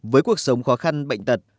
với cuộc sống khó khăn bệnh tật